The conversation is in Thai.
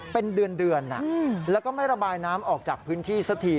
เป็นเดือนแล้วก็ไม่ระบายน้ำออกจากพื้นที่สักที